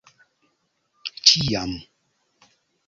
ĉiam